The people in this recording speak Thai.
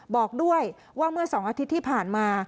บอกด้วยว่าเมื่อ๒อาทิตย์ที่ผ่านมา